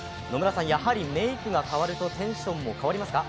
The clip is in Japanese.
やはりメークが変わるとテンションも変わりますか？